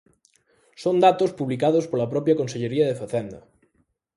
Son datos publicados pola propia Consellería de Facenda.